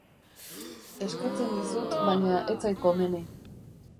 Eskertzen dizut, baina ez zait komeni.